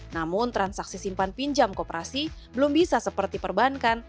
namun transaksi simpan pinjam kooperasi belum bisa seperti perbankan